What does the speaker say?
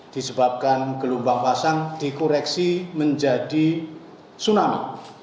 disebabkan gelombang pasang dikoreksi menjadi tsunami